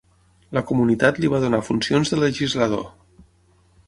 La comunitat li va donar funcions de legislador.